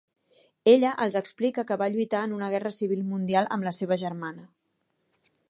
Ella els explica que va lluitar en una guerra civil mundial amb la seva germana.